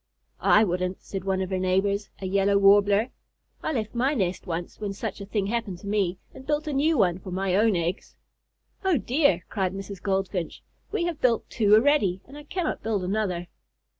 "I wouldn't," said one of her neighbors, a Yellow Warbler. "I left my nest once when such a thing happened to me, and built a new one for my own eggs." "Oh dear!" cried Mrs. Goldfinch, "we have built two already, and I cannot build another."